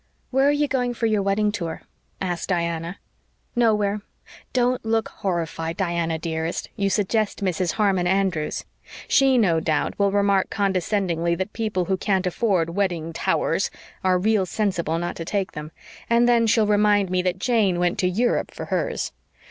"Where are you going for your wedding tour?" asked Diana. "Nowhere. Don't look horrified, Diana dearest. You suggest Mrs. Harmon Andrews. She, no doubt, will remark condescendingly that people who can't afford wedding 'towers' are real sensible not to take them; and then she'll remind me that Jane went to Europe for hers.